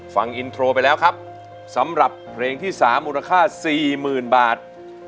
ฟังอินโทรไปแล้วครับสำหรับเพลงที่สามมูลค่าสี่หมื่นบาท